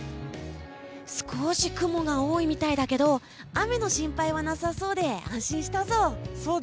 少し雲が多いみたいだけど雨の心配はなさそうで安心したぞ。